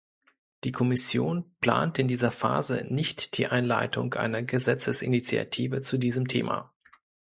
Die Kommission plant in dieser Phase nicht die Einleitung einer Gesetzesinitiative zu diesem Thema.